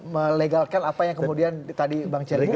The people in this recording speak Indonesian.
melegalkan apa yang kemudian tadi bang celi bilang